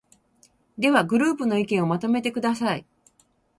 では、グループの意見をまとめてください。